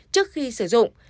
trước khi sử dụng